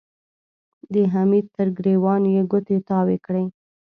د حميد تر ګرېوان يې ګوتې تاوې کړې.